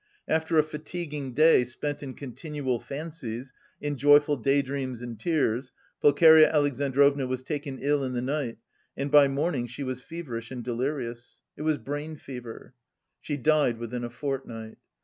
After a fatiguing day spent in continual fancies, in joyful day dreams and tears, Pulcheria Alexandrovna was taken ill in the night and by morning she was feverish and delirious. It was brain fever. She died within a fortnight.